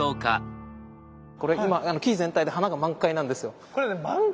これ今木全体で花が満開なんですよ。